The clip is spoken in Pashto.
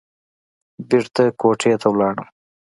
بېرته کوټې ته لاړم.